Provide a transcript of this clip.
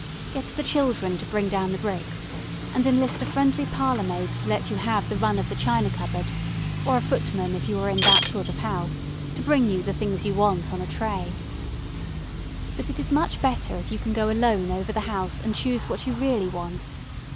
Get the children to bring down the bricks and enlist a friendly parlour maid to let you have the run of the china cupboard, or a footman, if you are in that sort of house, to bring you the things you want on a tray. [Illustration: THE PALACE OF CATS. 120] But it is much better if you can go alone over the house and choose what you really want.